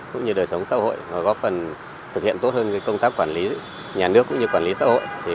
cũng như đời sống xã hội góp phần thực hiện tốt hơn công tác quản lý nhà nước cũng như quản lý xã hội